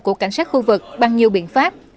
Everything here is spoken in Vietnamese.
của cảnh sát khu vực bằng nhiều biện pháp